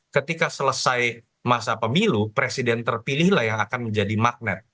ketika selesai masa pemilu presiden terpilihlah yang akan menjadi magnet